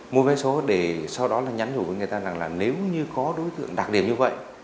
mua vé số để sau đó là nhắn nhủ với người ta rằng là nếu như có đối tượng đặc điểm như vậy